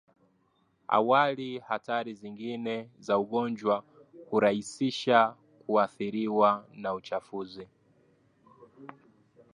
awali hatari zingine za ugonjwa hurahisisha kuathiriwa na uchafuzi